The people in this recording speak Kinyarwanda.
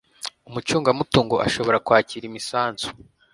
Umucungamutungo ashobora kwakira imisanzu